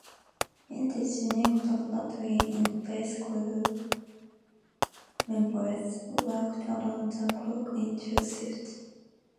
In this unique laboratory in space, crew members worked around-the-clock in two shifts.